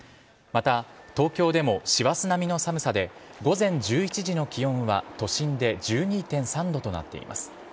また、東京でも師走並みの寒さで午前１１時の気温は都心で１２．３度となっています。